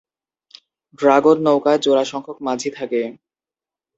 Dragon নৌকায় জোড়া সংখ্যক মাঝি থাকে।